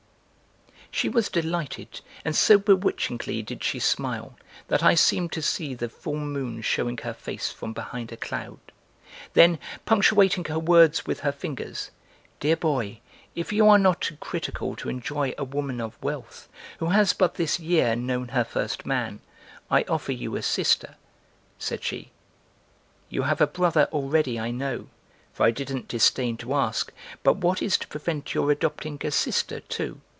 She was delighted and so be witchingly did she smile that I seemed to see the full moon showing her face from behind a cloud. Then, punctuating her words with her fingers, "Dear boy, if you are not too critical to enjoy a woman of wealth who has but this year known her first man, I offer you a sister," said she. "You have a brother already, I know, for I didn't disdain to ask, but what is to prevent your adopting a sister, too?